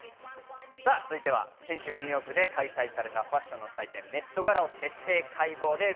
続いては先週、ニューヨークで開催されたファッションの祭典、ＭＥＴガラを徹底解剖です。